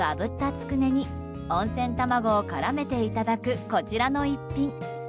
つくねに温泉卵を絡めていただくこちらの一品。